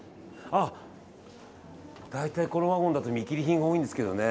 あ、大体このワゴンだと見切り品が多いんですけどね